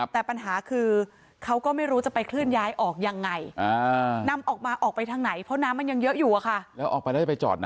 แต่ปัญหาคือเขาก็ไม่รู้จะไปเคลื่อนย้ายออกยังไง